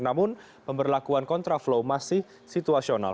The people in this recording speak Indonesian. namun pemberlakuan kontraflow masih situasional